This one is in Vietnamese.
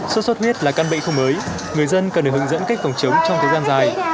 sốt xuất huyết là căn bệnh không mới người dân cần được hướng dẫn cách phòng chống trong thời gian dài